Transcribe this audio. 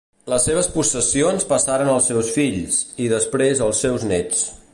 Les seves possessions passaren als seus fills, i després als seus néts.